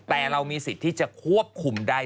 แต่เรามีสิทธิ์ที่จะควบคุมได้